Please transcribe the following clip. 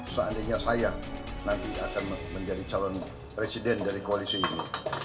seandainya saya nanti akan menjadi calon presiden dari koalisi ini